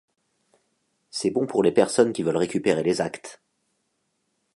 c'est bon pour les personnes qui veulent récupérer les actes.